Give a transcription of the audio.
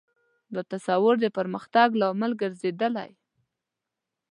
دا تصور د پرمختګ لامل ګرځېدلی.